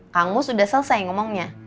kang mus udah selesai ngomongnya